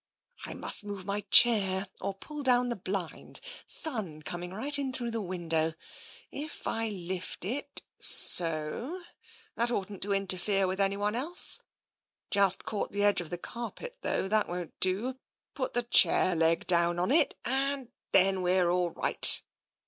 " I must move my chair or pull down the blind — sun coming right in through the window. If I lift it — so — that oughtn't to interfere with anyone else. Just caught the edge of the carpet, though — that won't do ... put the chair leg down on it, and then we're all right."